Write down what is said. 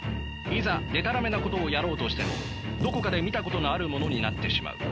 いざでたらめなことをやろうとしてもどこかで見たことのあるものになってしまう。